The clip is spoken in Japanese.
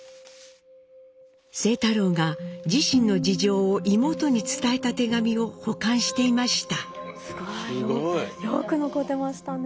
清太郎が自身の事情を妹に伝えた手紙を保管していました。